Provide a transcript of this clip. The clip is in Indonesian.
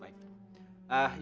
makasih makasih ya pak